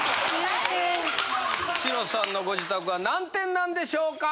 久代さんのご自宅は何点なんでしょうか？